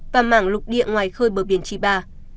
và mảng lục địa ngoài khơi bờ biển chiba